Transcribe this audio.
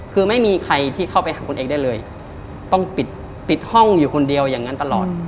คือไม่มีใครที่เข้าไปหาคนเองได้เลยต้องปิดปิดห้องอยู่คนเดียวอย่างนั้นตลอด